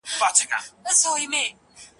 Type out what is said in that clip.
په ګډه کار کول ستونزې اسانه کوي.